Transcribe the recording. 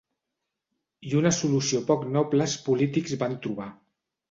I una solució poc noble els polítics van trobar.